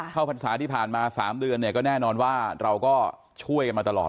พรรษาที่ผ่านมา๓เดือนเนี่ยก็แน่นอนว่าเราก็ช่วยกันมาตลอด